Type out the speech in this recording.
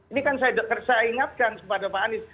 ini kan saya ingatkan kepada pak anies